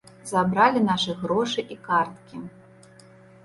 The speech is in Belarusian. Забралі нашы грошы і карткі.